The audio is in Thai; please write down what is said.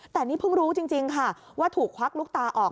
แต่นี่เพิ่งรู้จริงค่ะว่าถูกควักลูกตาออก